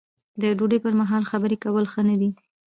د ډوډۍ پر مهال خبرې کول ښه نه دي.